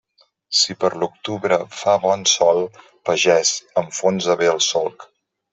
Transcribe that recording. Si per l'octubre fa bon sol, pagès, enfonsa bé el solc.